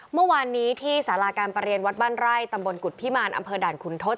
เมื่อวานนี้ที่สาราการประเรียนวัดบ้านไร่ตำบลกุฎพิมารอำเภอด่านขุนทศ